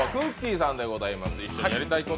さんでございます。